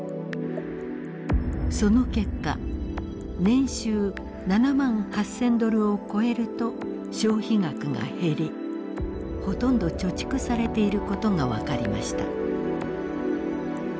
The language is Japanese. その結果年収７万８，０００ドルを超えると消費額が減りほとんど貯蓄されていることが分かりました。